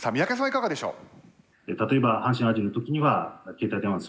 いかがでしょう。